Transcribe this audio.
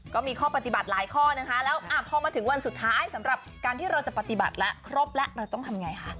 ก็มีข้อปฏิบัติหลายข้อนะคะแล้วพอมาถึงวันสุดท้ายสำหรับการที่เราจะปฏิบัติแล้วครบแล้วเราต้องทำไงคะ